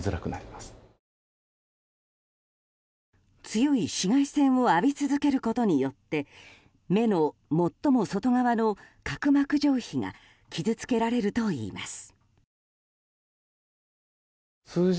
強い紫外線を浴び続けることによって目の最も外側の角膜上皮が傷つけられるといいます。